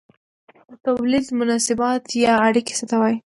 د توليد مناسبات یا اړیکې څه ته وايي؟